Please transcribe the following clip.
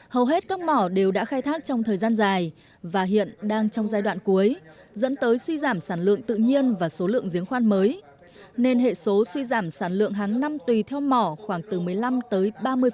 hầu hết các mỏ đều đã khai thác trong thời gian dài và hiện đang trong giai đoạn cuối dẫn tới suy giảm sản lượng tự nhiên và số lượng giếng khoan mới nên hệ số suy giảm sản lượng hàng năm tùy theo mỏ khoảng từ một mươi năm tới ba mươi